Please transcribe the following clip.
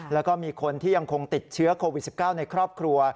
แล้วก็มีคนที่ยังคงติดเชื้อโควิด๑๙ในครอบครัว